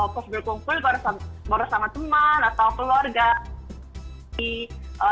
posbel kumpul bersama teman atau keluarga